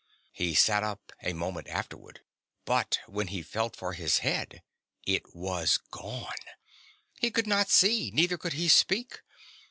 He sat up, a moment afterward, but when he felt for his head it was gone. He could not see; neither could he speak.